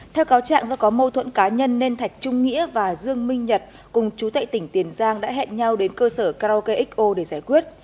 theo cáo trạng do có mâu thuẫn cá nhân nên thạch trung nghĩa và dương minh nhật cùng chú tệ tỉnh tiền giang đã hẹn nhau đến cơ sở karaoke xo để giải quyết